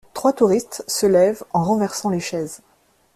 Trois touristes se lèvent en renversant les chaises.